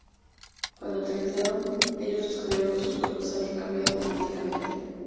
Cuando aterrizaron, ellos descubrieron que sus cuerpos habían cambiado dramáticamente.